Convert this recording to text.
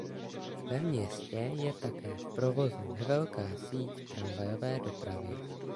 Ve městě je také v provozu nevelká síť tramvajové dopravy.